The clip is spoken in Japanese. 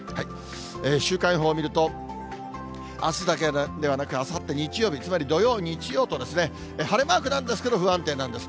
週間予報を見ると、あすだけではなく、あさって日曜日、つまり土曜、日曜と晴れマークなんですけど、不安定なんです。